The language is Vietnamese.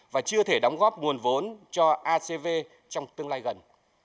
và chưa thể đóng góp nguồn vốn cho acv trong tương lai gần